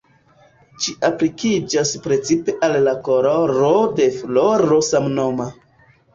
Ĝi aplikiĝas precize al la koloro de floro samnoma.